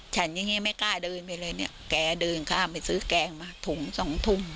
ฉันอย่างนี้ไม่กล้าเดินไปเลยเนี่ยแกเดินข้ามไปซื้อแกงมาถุงสองทุ่ม